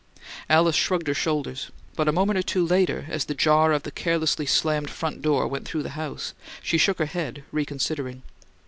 Alice shrugged her shoulders; but a moment or two later, as the jar of the carelessly slammed front door went through the house, she shook her head, reconsidering.